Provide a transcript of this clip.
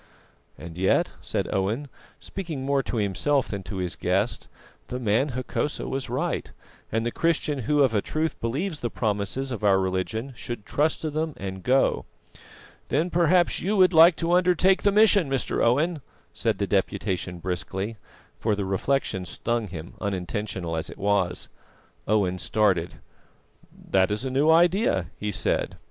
"And yet," said Owen, speaking more to himself than to his guest, "the man Hokosa was right, and the Christian who of a truth believes the promises of our religion should trust to them and go." "Then perhaps you would like to undertake the mission, Mr. Owen," said the Deputation briskly; for the reflection stung him, unintentional as it was. Owen started. "That is a new idea," he said.